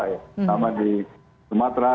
ya sama di sumatera